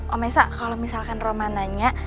om mesa kalau misalkan roman nanya